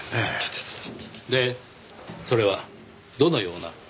でそれはどのような？